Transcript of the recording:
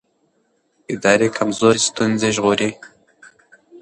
اداري کمزوري ستونزې ژوروي